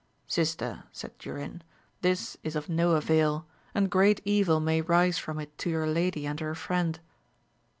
Sister, said Durin, this is of no avail, and great evil may rise from it to your lady and her friend.